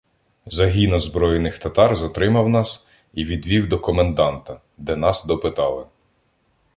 Загін озброєних татар затримав нас і відвів до коменданта, де нас допитали.